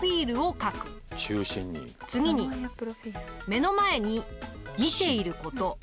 次に目の前に見ていること